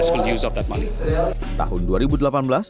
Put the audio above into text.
saya pikir itu akan menjadi penggunaan uang yang berhasil